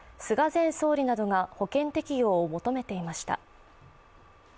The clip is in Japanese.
前総理などが保険適用を求めていました。